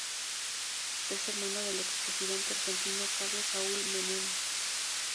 Es hermano del expresidente argentino Carlos Saúl Menem.